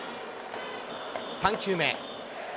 ３球目。